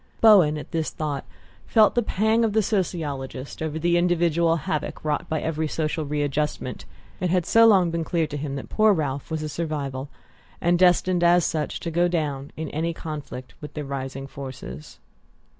Bowen, at the thought, felt the pang of the sociologist over the individual havoc wrought by every social readjustment: it had so long been clear to him that poor Ralph was a survival, and destined, as such, to go down in any conflict with the rising forces.